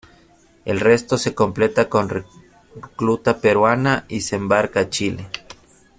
El resto se completa con recluta peruana, y se embarca a Chile.